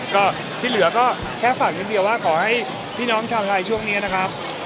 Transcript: ก็ที่เหลือก็แค่ฝากอย่างเดียวว่าขอให้พี่น้องชาวไทยช่วงนี้นะครับ